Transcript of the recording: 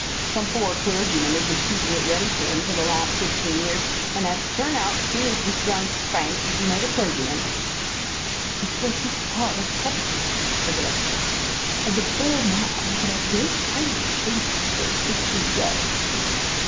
Some poor clergyman had been keeping it ready for him for the last fifteen years and had to turn out as soon as this young spark could be made a clergyman." "It was his father's property," said the rector, "and the poor man had had great kindness shown him for those fifteen years."